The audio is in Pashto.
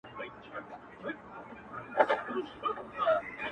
o مرگ په ماړه نس ښه خوند کوي!